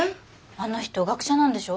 あの人学者なんでしょ？